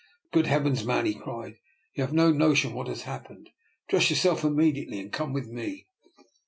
"Good heavens, man!" he cried, "you have no notion of what has happened. Dress yourself immediately and come with me!"